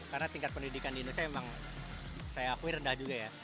karena tingkat pendidikan di indonesia memang saya akui rendah juga ya